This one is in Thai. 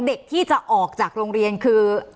เด็กที่จะออกจากโรงเรียนคือ